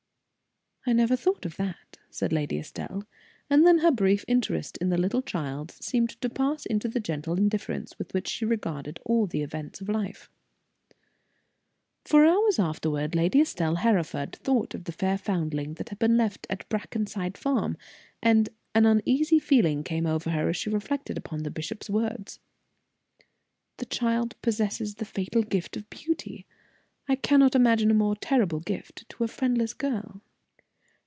"I never thought of that," said Lady Estelle, and then her brief interest in the little child seemed to pass into the gentle indifference with which she regarded all the events of life. For hours afterward Lady Estelle Hereford thought of the fair foundling that had been left at Brackenside Farm, and an uneasy feeling came over her as she reflected upon the bishop's words: "The child possesses the fatal gift of beauty. I cannot imagine a more terrible gift to a friendless girl."